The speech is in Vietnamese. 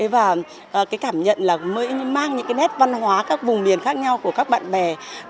và cảm nhận là mới mang những nét văn hóa các vùng miền khác nhau của các bạn bè